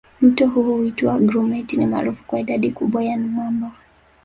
Mto huo huitwa Grumeti ni maarufu kwa idadi kubwa ya mamba